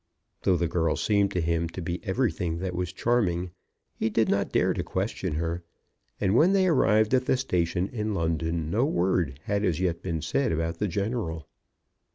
Though the girl seemed to him to be everything that was charming, he did not dare to question her; and when they arrived at the station in London, no word had as yet been said about the General.